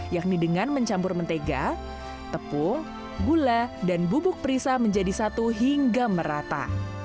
yakni dengan mencampur mentega tepung gula dan bubuk perisa menjadi satu hingga merata